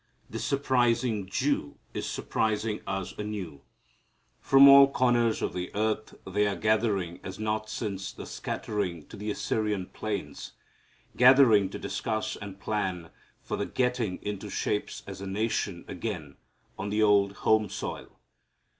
This surprising Jew is surprising us anew. From all corners of the earth they are gathering as not since the scattering to the Assyrian plains, gathering to discuss and plan for the getting into shape as a nation again on the old home soil.